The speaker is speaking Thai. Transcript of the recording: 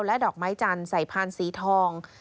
และดอกไม้จันทร์ใส่พานสีทอง